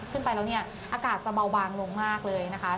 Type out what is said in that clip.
ขึ้นไปแล้วเนี่ยอากาศจะเบาบางลงมากเลยนะคะ